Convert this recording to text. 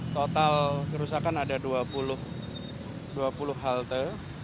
total kerusakan ada dua puluh halte